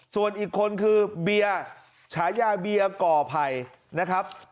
ส่วนอีกคนคือเบียร์ฉายาเบียก่อไผ่นะครับ